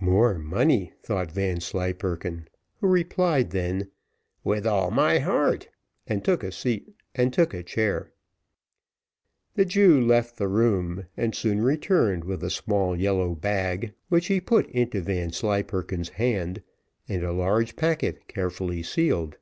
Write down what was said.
More money, thought Vanslyperken, who replied then, "With all my heart," and took a chair. The Jew left the room, and soon returned with a small yellow bag, which he put into Vanslyperken's hand, and a large packet carefully sealed.